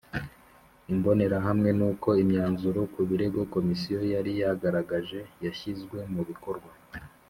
Imbonerahamwe n Uko imyanzuro ku birego Komisiyo yari yaragaragaje yashyizwe mu bikorwa